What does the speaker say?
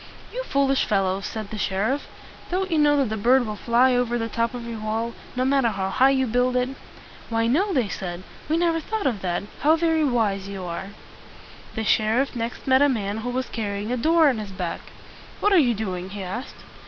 "You foolish fellows!" said the sheriff. "Don't you know that the bird will fly over the top of your wall, no matter how high you build it?" "Why, no," they said. "We never thought of that. How very wise you are!" The sheriff next met a man who was carrying a door on his back. "What are you doing?" he asked.